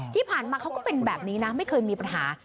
ที่ผ่านมาเขาก็เป็นแบบนี้นะไม่เคยมีปัญหา